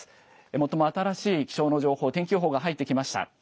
最も新しい気象の情報、天気予報が入ってきました。